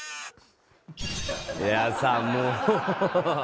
いやさもう。